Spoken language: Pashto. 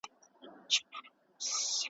جرګې کلتوري ارزښت نه دی بایللی.